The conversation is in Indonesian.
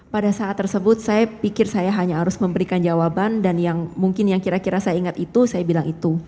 pada saat tersebut saya pikir saya hanya harus memberikan jawaban dan yang mungkin yang kira kira saya ingat itu saya bilang itu